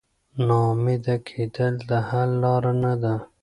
نا امیده کېدل د حل لاره نه ده.